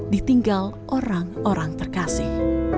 ditinggal orang orang terkasih